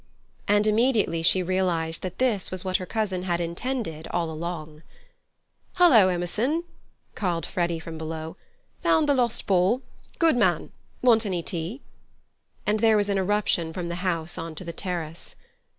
And immediately she realized that this was what her cousin had intended all along. "Hullo, Emerson!" called Freddy from below. "Found the lost ball? Good man! Want any tea?" And there was an irruption from the house on to the terrace.